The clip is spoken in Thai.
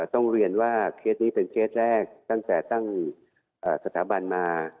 ต้องเรียนว่าเคสนี้เป็นเคสแรกตั้งแต่ตั้งสถาบันมา